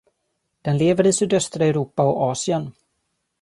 Den lever i sydöstra Europa och Asien.